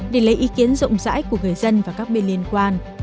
để lấy ý kiến rộng rãi của người dân và các bên liên quan